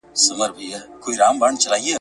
سي به څرنګه په کار د غلیمانو !.